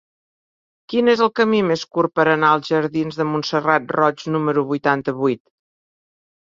Quin és el camí més curt per anar als jardins de Montserrat Roig número vuitanta-vuit?